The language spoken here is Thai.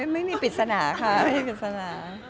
ไม่มีปิดสนาค่ะไม่มีปิดสนา